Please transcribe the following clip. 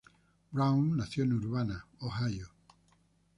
Brown nació en Urbana, Ohio.